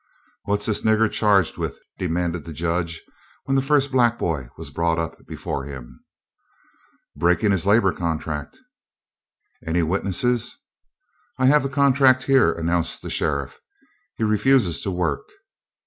"What's this nigger charged with?" demanded the Judge when the first black boy was brought up before him. "Breaking his labor contract." "Any witnesses?" "I have the contract here," announced the sheriff. "He refuses to work."